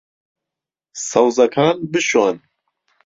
سەوزەکان بشۆن.